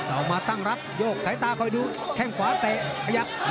เอามาตั้งรับโยกสายตาคอยดูแข้งขวาเตะขยับ